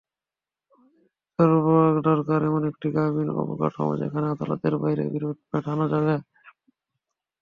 আমাদের দরকার এমন একটি গ্রামীণ অবকাঠামো, যেখানে আদালতের বাইরে বিরোধ মেটানো যাবে।